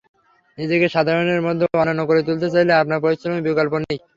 নিজেকে সাধারণের মধ্যে অনন্য করে তুলতে চাইলে আপনার পরিশ্রমের বিকল্প নেই।